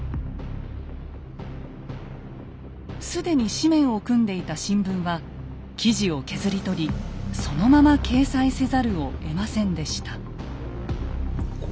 既に紙面を組んでいた新聞は記事を削り取りそのまま掲載せざるをえませんでした。